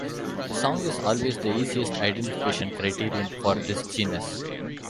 The song is always the easiest identification criterion for this genus.